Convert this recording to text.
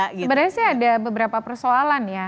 sebenarnya sih ada beberapa persoalan ya